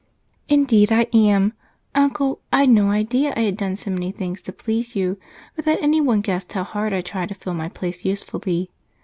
"Indeed, I am! Uncle, I'd no idea I had done so many things to please you, or that anyone guessed how hard I try to fill my place usefully.